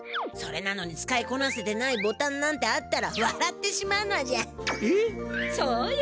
それなのに使いこなせてないボタンなんてあったらわらってしまうのじゃ。